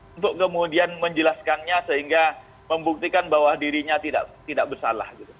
untuk kemudian menjelaskannya sehingga membuktikan bahwa dirinya tidak bersalah